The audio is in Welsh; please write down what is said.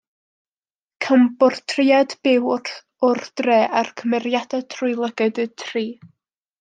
Cawn bortread byw o'r dre a'r cymeriadau trwy lygaid y tri.